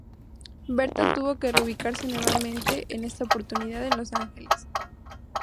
Bertha tuvo que reubicarse nuevamente, en esta oportunidad en Los Ángeles.